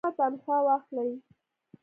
کمه تنخواه واخلي.